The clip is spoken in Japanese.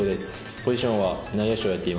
ポジションは内野手をやっています。